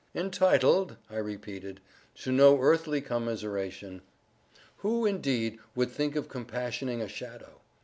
"Entitled," I repeated, "to no earthly commiseration. Who indeed would think of compassioning a shadow?